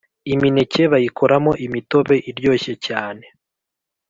Imineke bayikoramo imitobe iryoshye cyane